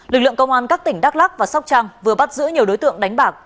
lực lượng công an các tỉnh đắk lắc và sóc trăng vừa bắt giữ nhiều đối tượng đánh bạc